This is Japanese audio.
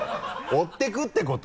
追っていくってこと？